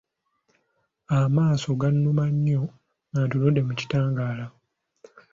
Amaaso gannuma nnyo nga ntunudde mu kitangaala.